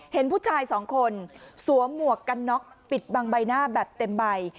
เห็นผู้ชายสองคนสวมหมวกกันน็อกปิดบังใบหน้าแบบเต็มใบ